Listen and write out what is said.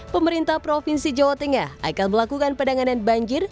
pemerintah provinsi jawa tengah akan melakukan penanganan banjir